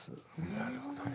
なるほどね。